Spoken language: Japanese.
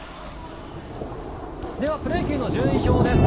では、プロ野球の順位表です。